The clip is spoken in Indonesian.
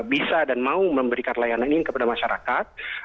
bisa dan mau memberikan layanan ini kepada masyarakat